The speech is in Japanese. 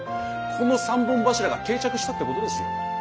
この三本柱が定着したってことですよ。